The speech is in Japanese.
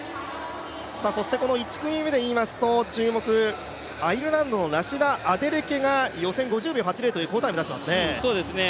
そして１組目でいいますと注目、アイルランドラシダ・アデレケが予選５０秒８０という好タイムを出していますね。